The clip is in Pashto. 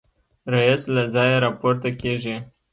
رییس له ځایه راپورته کېږي.